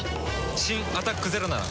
新「アタックＺＥＲＯ」なら。